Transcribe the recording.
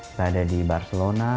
kita ada di barcelona